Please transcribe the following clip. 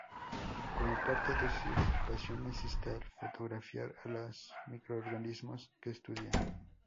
Como parte de sus pasiones está el fotografiar a los microorganismos que estudia.